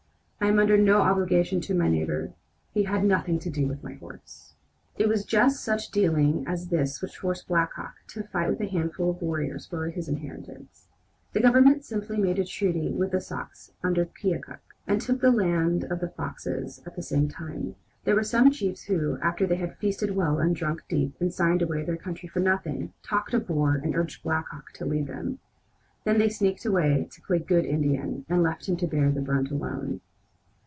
I am under no obligation to my neighbor. He had nothing to do with my horse." It was just such dealing as this which forced Black Hawk to fight with a handful of warriors for his inheritance. The Government simply made a treaty with the Sacs under Keokuk, and took the land of the Foxes at the same time. There were some chiefs who, after they had feasted well and drunk deep and signed away their country for nothing, talked of war, and urged Black Hawk to lead them. Then they sneaked away to play "good Indian," and left him to bear the brunt alone.